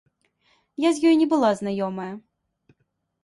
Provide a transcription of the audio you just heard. Я з ёй не была знаёмая.